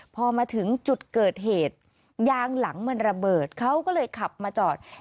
พอมาถึงจุดเกิดเหตุยางหลังมันระเบิดเขาก็เลยขับมาจอด